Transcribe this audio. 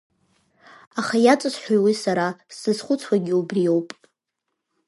Аха иаҵасҳәои уи сара, сзызхәыцуагьы убриоуп.